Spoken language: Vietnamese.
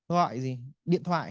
gọi điện thoại